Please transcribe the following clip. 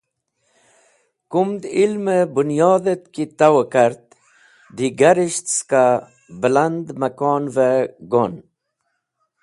Kumd ilmẽ bẽnyodhẽt ki tawẽ kart digarisht ska bẽland mẽkonvẽ gon.